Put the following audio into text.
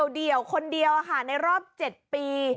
เดี่ยวคนเดียวในรอบ๗ปี